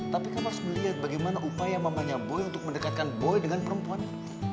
tapi kamu harus melihat bagaimana upaya mamanya boy untuk mendekatkan boy dengan perempuan